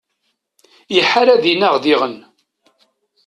Iḥar ad inaɣ diɣen.